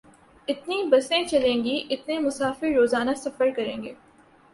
اتنی بسیں چلیں گی، اتنے مسافر روزانہ سفر کریں گے۔